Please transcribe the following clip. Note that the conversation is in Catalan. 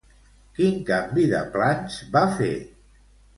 Quin canvi de plans va fer?